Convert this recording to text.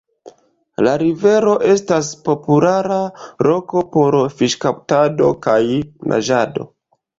La rivero estas populara loko por fiŝkaptado kaj naĝado.